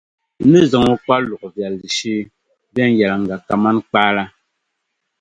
N ni zaŋ o kpa luɣ’ viɛlli shee viɛnyɛliŋga kaman kpaa la.